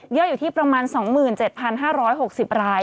อยู่ที่ประมาณ๒๗๕๖๐ราย